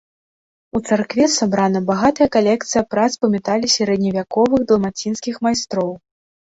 У царкве сабрана багатая калекцыя прац па метале сярэдневяковых далмацінскіх майстроў.